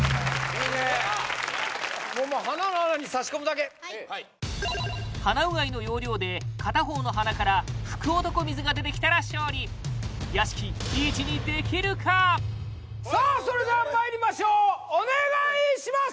もう鼻の穴にさし込むだけはい鼻うがいの要領で片方の鼻から福男水が出てきたら勝利さあそれではまいりましょうお願いします！